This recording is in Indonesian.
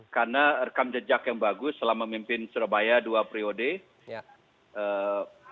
karena rekam jejak yang bagus selama memimpin surabaya dua prioritas